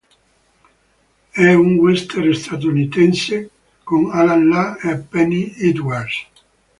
È un western statunitense con Allan Lane e Penny Edwards.